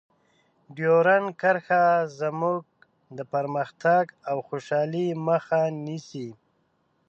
ډیورنډ کرښه زموږ د پرمختګ او خوشحالۍ مخه نیسي.